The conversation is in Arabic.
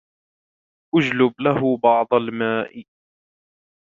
اجلب له بعض الماء.